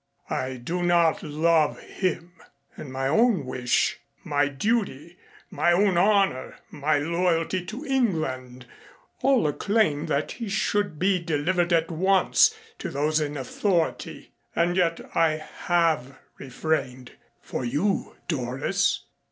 I do not love him; and my own wish, my duty, my own honor, my loyalty to England all acclaim that he should be delivered at once to those in authority. And yet I have refrained for you, Doris.